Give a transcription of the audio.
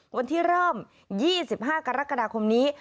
วันที่เริ่ม๒๕กรกฎาคมนี้